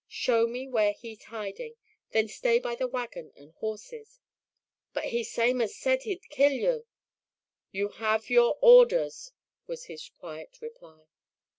"Show me where he's hiding, then stay by the wagon and horses." "But he same as said he'd kill you." "You have your orders," was his quiet reply.